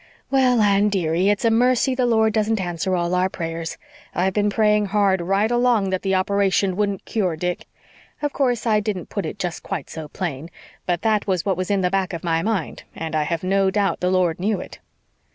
Well, Anne, dearie, it's a mercy the Lord doesn't answer all our prayers. I've been praying hard right along that the operation wouldn't cure Dick. Of course I didn't put it just quite so plain. But that was what was in the back of my mind, and I have no doubt the Lord knew it."